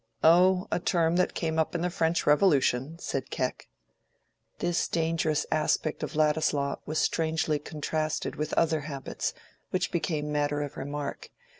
"Oh, a term that came up in the French Revolution," said Keck. This dangerous aspect of Ladislaw was strangely contrasted with other habits which became matter of remark.